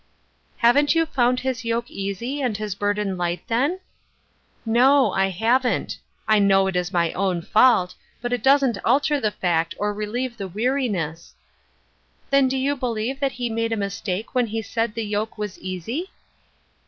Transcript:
"Haven't you found his yoke easy and his burden light, then ?"" No, I haven't. I know it is my own fa iilt ; but that doesn't alter the fact or reheve the weariness." " Then do you believe that he made a mistake when he said the yoke was easy